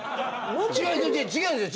違う違う違うんですよ